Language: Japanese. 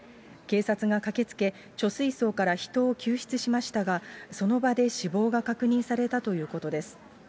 警察が駆けつけ、貯水槽から人を救出しましたが、その場で死亡が確認されたということです。